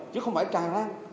chứ không phải tràn lan